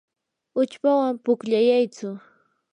uchpawan pukllayaytsu.